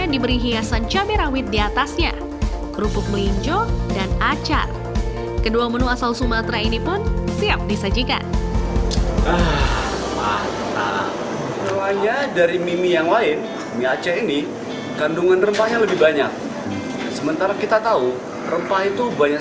dipercaya bisa melancarkan peredaran darah dan meningkatkan stamina setelah seharian berpuasa